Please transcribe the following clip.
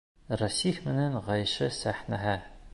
Рәсих менән Ғәйшә сәхнәһе!